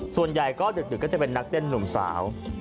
ส่วนใหญ่ก็ดึกก็จะเป็นนักเต้นหนุ่มสาว